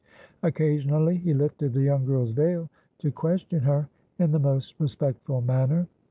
Occasionally he lifted the young girl's veil to question her in the most respectful manner.